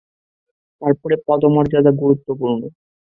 তারপরে পদমর্যাদা গুরুত্বপূর্ণ।